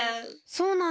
そうなんだ。